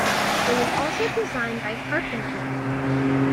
It was also designed by Carpenter.